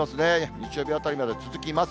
日曜日あたりまで続きます。